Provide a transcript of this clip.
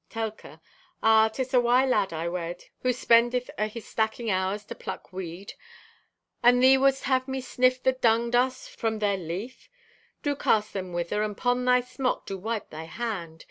(Telka) "Ah, 'tis a wise lad I wed, who spendeth o' his stacking hours to pluck weed, and thee wouldst have me sniff the dung dust from their leaf. Do cast them whither, and 'pon thy smock do wipe thy hand.